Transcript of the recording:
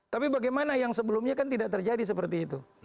tapi bagaimana yang sebelumnya kan tidak terjadi seperti itu